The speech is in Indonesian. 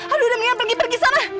aduh udah minggir pergi pergi sana